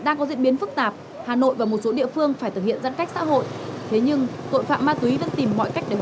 những diễn biến này đã được lực lượng công an chủ động nắm tình hình